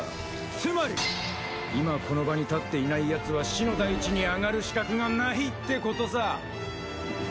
つまり今この場に立っていないヤツは死の大地にあがる資格がないってことさ。